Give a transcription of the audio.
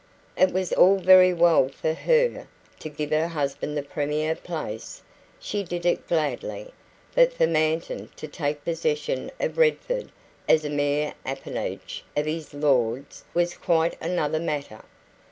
It was all very well for HER to give her husband the premier place she did it gladly but for Manton to take possession of Redford as a mere appendage of his lord's was quite another matter.